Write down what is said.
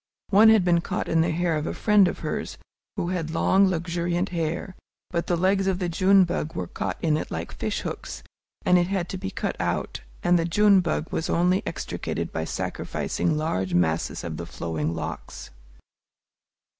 One had been caught in the hair of a friend of hers, who had long luxuriant hair. But the legs of the June bug were caught in it like fish hooks, and it had to be cut out, and the June bug was only extricated by sacrificing large masses of the flowing locks.